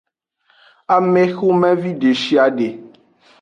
Amexomevi deshiade.